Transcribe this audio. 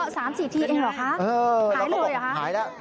สามสี่ทีเองเหรอคะเออหายเลยเหรอคะหายแล้ว